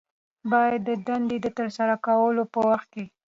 باید د دندې د ترسره کولو په وخت کې